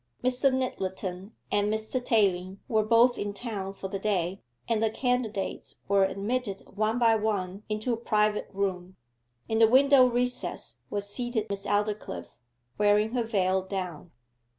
Mr. Nyttleton and Mr. Tayling were both in town for the day, and the candidates were admitted one by one into a private room. In the window recess was seated Miss Aldclyffe, wearing her veil down.